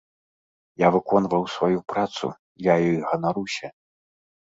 Я выконваў сваю працу, я ёй ганаруся.